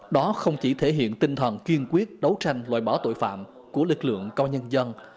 đó không chỉ thể hiện tinh thần kiên quyết đấu tranh loại bỏ tội phạm của lực lượng công an nhân dân